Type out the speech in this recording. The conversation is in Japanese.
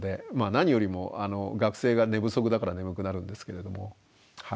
何よりも学生が寝不足だから眠くなるんですけれども。